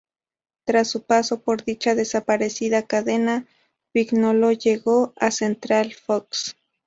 Tras su paso por dicha desaparecida cadena, Vignolo llegó a "Central Fox".